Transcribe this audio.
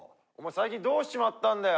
最近どうしちまったんだよ